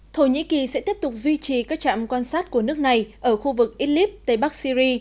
thổ nhĩ kỳ sẽ tiếp tục duy trì các trạm quan sát của nước này ở khu vực idlib tây bắc syri